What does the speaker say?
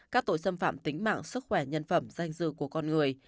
các tội xâm phạm tính mạng sức khỏe nhân phẩm danh dự của con người